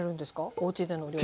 おうちでのお料理。